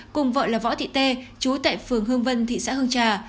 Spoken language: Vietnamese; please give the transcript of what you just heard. cùng vợ là võ thị tê chú tại phường hương vân thị xã hương trà